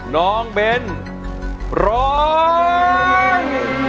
น้องเบนร้อง